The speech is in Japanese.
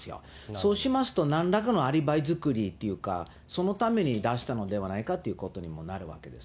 そうしますと、なんらかのアリバイ作りというか、そのために出したのではないかということにもなるわけです。